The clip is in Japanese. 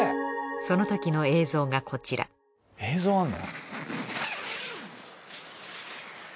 そのときの映像がこちら映像あるの？